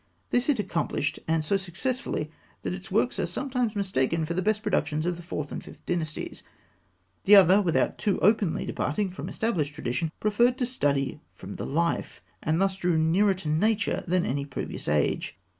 This it accomplished, and so successfully, that its works are sometimes mistaken for the best productions of the Fourth and Fifth Dynasties. The other, without too openly departing from established tradition, preferred to study from the life, and thus drew nearer to nature than in any previous age.